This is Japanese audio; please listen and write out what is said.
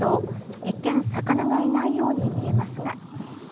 一見、魚がいないように見えますが。